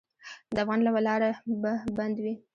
د افغان لاره به بندوي.